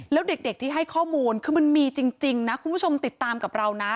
แล้วเด็กที่ให้ข้อมูลคือมันมีจริงนะคุณผู้ชมติดตามกับเรานะ